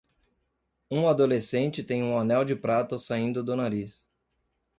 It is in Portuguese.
Um adolescente tem um anel de prata saindo do nariz.